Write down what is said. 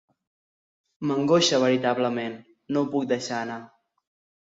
M'angoixa veritablement; no ho puc deixar anar.